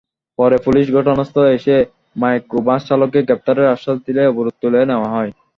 পরে পুলিশ ঘটনাস্থলে এসে মাইক্রোবাসচালককে গ্রেপ্তারের আশ্বাস দিলে অবরোধ তুলে নেওয়া হয়।